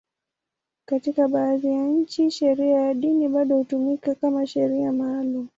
Katika baadhi ya nchi, sheria ya dini bado hutumika kama sheria maalum.